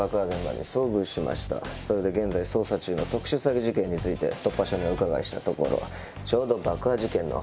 それで現在捜査中の特殊詐欺事件について突破署にお伺いしたところ。